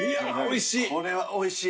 これはおいしい。